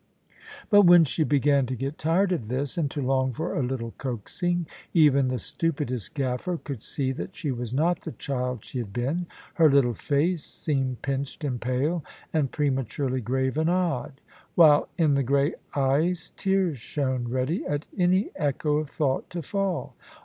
But when she began to get tired of this, and to long for a little coaxing, even the stupidest gaffer could see that she was not the child she had been. Her little face seemed pinched and pale, and prematurely grave and odd; while in the grey eyes tears shone ready at any echo of thought to fall.